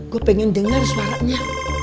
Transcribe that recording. gue pengen dengar suaranya